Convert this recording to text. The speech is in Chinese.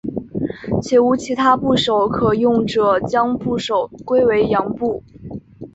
且无其他部首可用者将部首归为羊部。